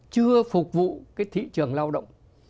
chưa phục vụ cái thị trường lao động